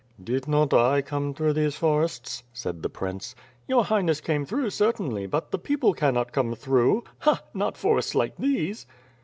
"Did not I come through these forests?" said the prince. "Your Highness came through, certainly, but the people cannot come through, Ha! not forests like these!"